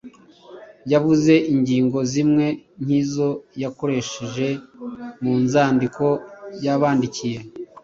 yavuze ingingo zimwe nk’izo yakoresheje mu nzandiko yabandikiye.